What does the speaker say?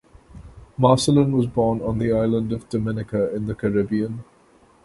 Marcelin was born on the island of Dominica in the Caribbean.